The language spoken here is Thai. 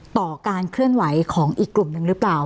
ต่อการเคลื่อนไหวของอีกกลุ่มหนึ่งหรือเปล่า